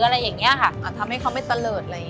ทำให้เขาไม่ตะเลิดเลย